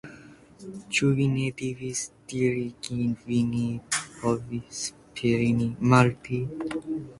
Ĉu vi ne devis diri ke vi ne povus preni malpli?